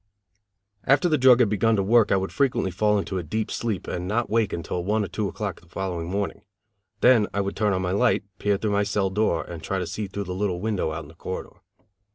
After the drug had begun to work I would frequently fall into a deep sleep and not wake until one or two o'clock the following morning; then I would turn on my light, peer through my cell door, and try to see through the little window out in the corridor.